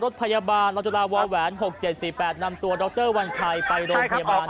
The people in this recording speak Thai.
รถพยาบาลรถจุลาว่าแหวนหกเจ็ดสี่แปดนำตัวดรวัญชัยไปโรงพยาบาล